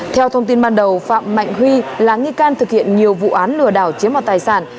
theo thông tin ban đầu phạm mạnh huy là nghi can thực hiện nhiều vụ án lừa đảo chiếm vào tài sản